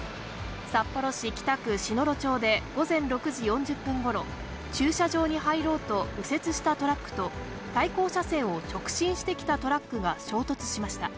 札幌市北区篠路町で午前６時４０分ごろ、駐車場に入ろうと、右折したトラックと、対向車線を直進してきたトラックが衝突しました。